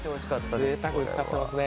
ぜいたくに使っていますね。